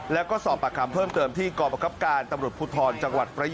แล้วก็สอบประกันเพิ่มเติมที่กรปกรับการตรพุทรจังหวัดประหย่อ